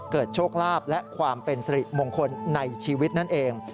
โชคลาภและความเป็นสริมงคลในชีวิตนั่นเอง